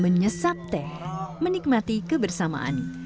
menyesap teh menikmati kebersamaan